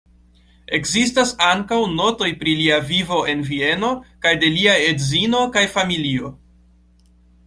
Ekzistas ankaŭ notoj pri lia vivo en Vieno kaj de lia edzino kaj familio.